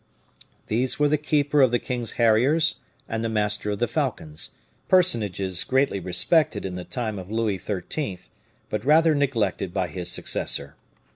These were the keeper of the king's harriers and the master of the falcons, personages greatly respected in the time of Louis XIII., but rather neglected by his successor.